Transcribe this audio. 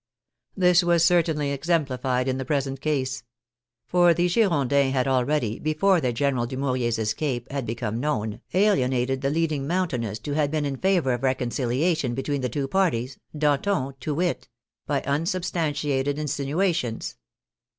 This was certainly exem plified in the present case. For the Girondins had al ready, before their General Dumouriez's escape had be come known, alienated the leading Mountainist who had been in favor of reconciliation between the parties — Danton, to wit — by unsubstantiated insinuations.